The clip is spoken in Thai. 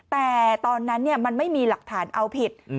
แต่ตอนนั้นมันไม่มีหลักฐานเอาผิด